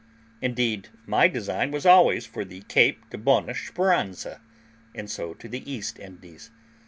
Indeed, my design was always for the Cape de Bona Speranza, and so to the East Indies.